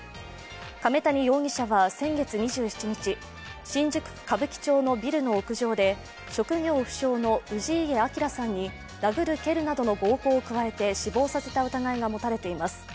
亀谷容疑者は先月２７日、新宿区歌舞伎町のビルの屋上で職業不詳の氏家彰さんに殴る蹴るなどの暴行を加えて死亡させた疑いが持たれています。